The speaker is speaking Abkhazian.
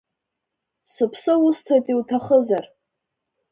Сыԥсы усҭоит иуҭахызар…